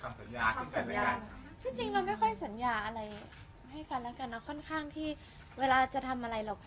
มีสัญญาแล้วให้กันยังไงแล้วไหมคะ